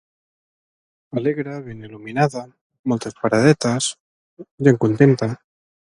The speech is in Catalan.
Alegre, ben il·luminada, moltes paradetes, gent contenta.